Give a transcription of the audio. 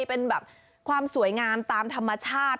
เป็นแบบความสวยงามตามธรรมชาติ